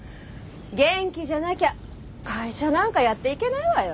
元気じゃなきゃ会社なんかやっていけないわよ。